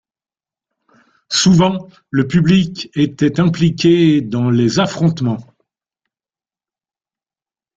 Souvent, le public était impliqué dans les affrontements.